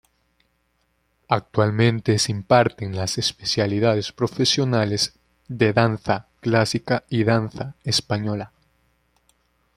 Actualmente se imparten las especialidades profesionales de Danza Clásica y Danza Española.